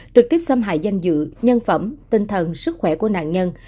trực tiếp xâm hại danh dự nhân phẩm tinh thần sức khỏe của nạn nhân